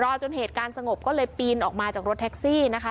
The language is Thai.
จนเหตุการณ์สงบก็เลยปีนออกมาจากรถแท็กซี่นะคะ